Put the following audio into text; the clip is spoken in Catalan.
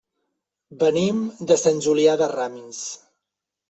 Venim de Sant Julià de Ramis.